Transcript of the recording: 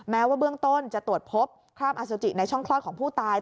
แม้ว่าเบื้องต้นจะตรวจพบคราบอสุจิในช่องคลอดของผู้ตาย